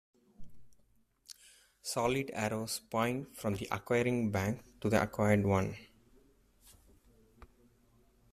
Solid arrows point from the acquiring bank to the acquired one.